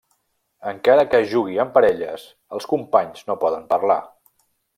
Encara que es jugui en parelles, els companys no poden parlar.